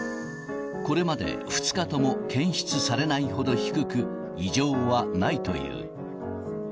これまで２日とも検出されないほど低く、異常はないという。